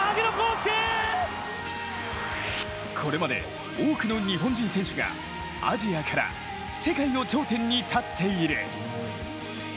これまで多くの日本人選手がアジアから世界の頂点に立っている。